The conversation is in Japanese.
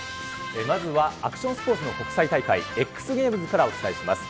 まずはアクションスポーツの国際大会、エックスゲームズからお伝えします。